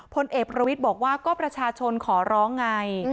พลเอกประวิทย์บอกว่าก็ประชาชนขอร้องไง